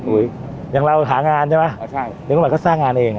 อุ้ยอย่างเราหางานใช่ไหมอ่ะใช่เด็กรุ่นใหม่เขาสร้างงานเองอ่ะ